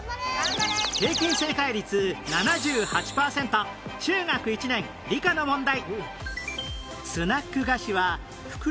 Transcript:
平均正解率７８パーセント中学１年理科の問題